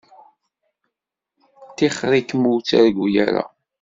Tixeṛ-ikem ur ttargu ara.